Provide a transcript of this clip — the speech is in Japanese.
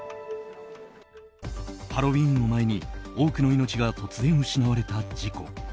ハロウィーンを前に多くの命が突然失われた事故。